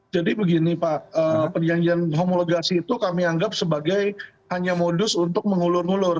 jadi begini pak perjanjian homologasi itu kami anggap sebagai hanya modus untuk mengulur ulur